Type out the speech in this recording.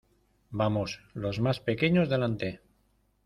Vamos, los más pequeños delante.